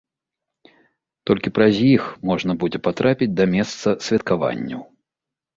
Толькі праз іх можна будзе патрапіць да месца святкаванняў.